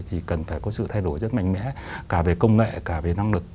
thì cần phải có sự thay đổi rất mạnh mẽ cả về công nghệ cả về năng lực